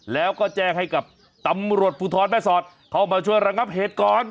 แล้วก็แจ้งให้กับตำรวจภูทรแม่สอดเข้ามาช่วยระงับเหตุก่อน